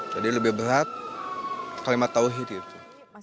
jadi lebih berat kalimat tawhid itu